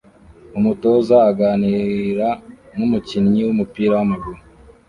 Umutoza aganira numukinnyi wumupira wamaguru